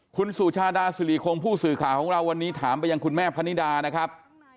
คุณสุชาดาสิริคงผู้สื่อข่าวของเราวันนี้ถามไปยังคุณแม่พนิดานะครับ